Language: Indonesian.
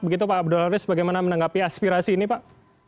begitu pak abdul haris bagaimana menanggapi aspirasi ini pak